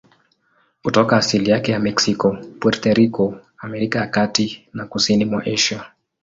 Kutoka asili yake ya Meksiko, Puerto Rico, Amerika ya Kati na kusini mwa Asia.